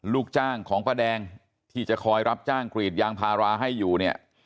ลูกจ้างของป้าแดงที่จะคอยรับจ้างกรีดยางพาราให้อยู่เนี่ย